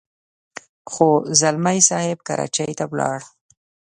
خو ځلمی صاحب کراچۍ ته ولاړ.